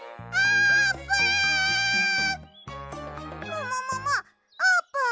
ももももあーぷん！